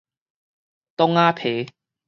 擋仔皮